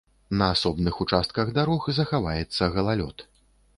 На асобных участках дарог захаваецца галалёд.